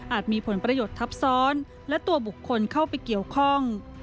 มีผลประโยชน์ทับซ้อนและตัวบุคคลเข้าไปเกี่ยวข้อง